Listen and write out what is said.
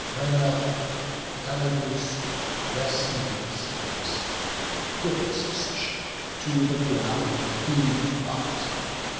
Menon, Iamenus, Orestes next, In quick succession to the ground he brought.